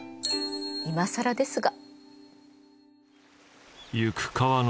いまさらですが。